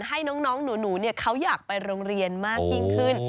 ให้น้องหนูเขาอยากไปโรงเรียนมากยิ่งขึ้น